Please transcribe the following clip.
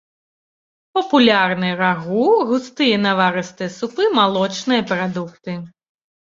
Папулярны рагу, густыя наварыстыя супы, малочныя прадукты.